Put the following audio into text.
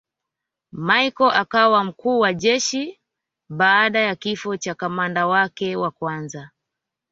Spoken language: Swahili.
Machel akawa mkuu wa jeshi baada ya kifo cha kamanda wake wa kwanza